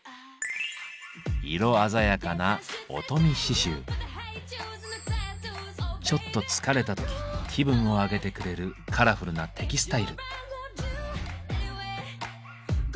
色鮮やかなちょっと疲れた時気分を上げてくれるカラフルなテキスタイル。